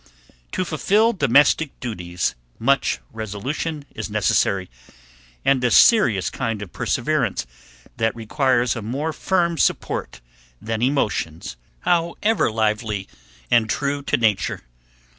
To fulfil domestic duties much resolution is necessary, and a serious kind of perseverance that requires a more firm support than emotions, however lively and true to nature.